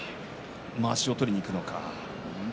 まわしを取りにいくんですかね。